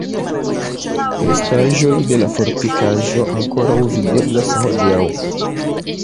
Restaĵoj de la fortikaĵo ankoraŭ videblas hodiaŭ.